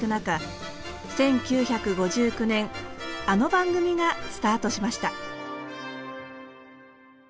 １９５９年あの番組がスタートしました。